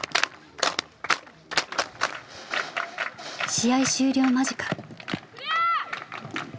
試合終了間近。